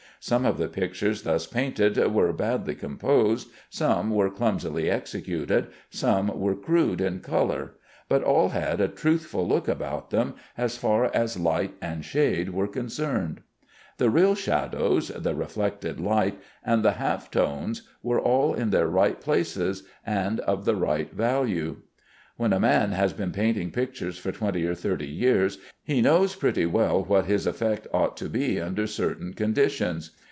Some of the pictures thus painted were badly composed, some were clumsily executed, some were crude in color, but all had a truthful look about them as far as light and shade were concerned. The real shadows, the reflected light, and the half tones were all in their right places and of the right value. When a man has been painting pictures for twenty or thirty years, he knows pretty well what his effect ought to be under certain conditions.